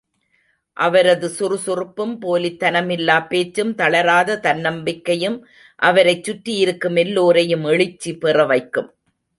அவரது சுறுசுறுப்பும், போலித் தனமில்லா பேச்சும், தளராத தன்னம்பிக்கையும் அவரைச் சுற்றி இருக்கும் எல்லோரையும் எழுச்சி பெற வைக்கும்.